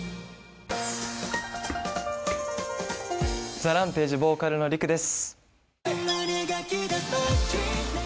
ＴＨＥＲＡＭＰＡＧＥボーカルのＲＩＫＵです。